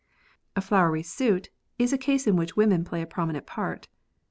A jiowery suit is a case in which women play a prominent part.